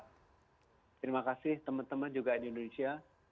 terima kasih teman teman juga di indonesia